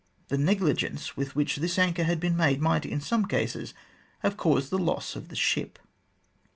The negligence with which this anchor had been made might, in some cases, have caused the loss of the ship."